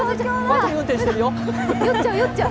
脇見運転してるよ！